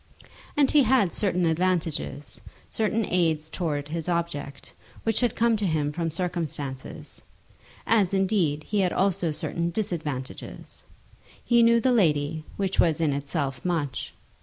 And he had certain advantages, certain aids towards his object, which had come to him from circumstances; as, indeed, he had also certain disadvantages. He knew the lady, which was in itself much.